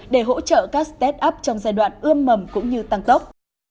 để hỗ trợ các start up trong giai đoạn ươm mầm cũng như tăng tốc